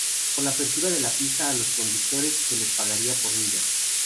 Por la apertura de la pista a los constructores se les pagaría por milla.